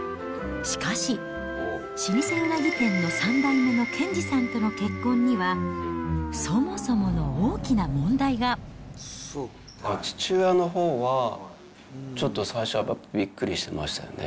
しかし、老舗うなぎ店の３代目の賢治さんとの結婚には、父親のほうは、ちょっと最初はびっくりしてましたよね。